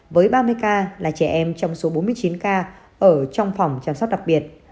với ba mươi ca là trẻ em trong số bốn mươi chín ca ở trong phòng chăm sóc đặc biệt